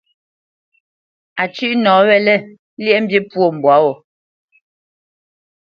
A cʉ́ʼ nɔ wɛ̂lɛ̂, lyéʼmbî pwô mbwǎ wo.